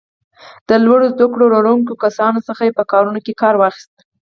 د لوړو زده کړو لرونکو کسانو څخه یې په کارونو کې کار واخیست.